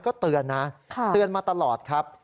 ก็เตือนนะเตือนมาตลอดครับ